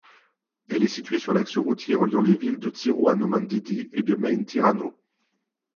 Elle est située sur l'axe routier reliant les villes de Tsiroanomandidy et de Maintirano.